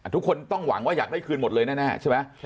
ทุกคนต้องหวังว่าอยากได้คืนหมดเลยแน่ใช่ไหม